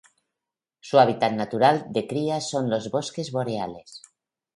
Su hábitat natural de cría son los bosques boreales.